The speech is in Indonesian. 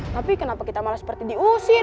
tapi kenapa kita malah seperti diusir